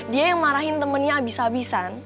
dia yang marahin temennya abis abisan